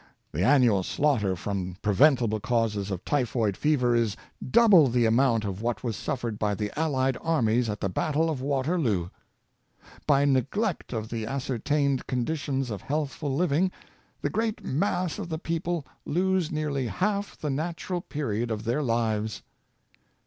The annual slaughter from preventable causes of typhoid fever is double the amount of what was suffered by the allied armies at the battle of Wat erloo! By neglect of the ascertained conditions of healthful living, the great mass of the people lose nearly half the natural period of their lives.